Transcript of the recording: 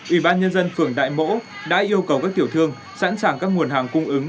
ủy ban nhân dân phường đại mỗ đã yêu cầu các tiểu thương sẵn sàng các nguồn hàng cung ứng